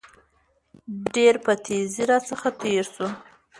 ډېر په تېزى راڅخه تېر شو.